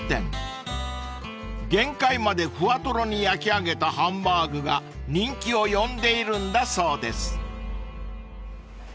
［限界までふわとろに焼き上げたハンバーグが人気を呼んでいるんだそうです］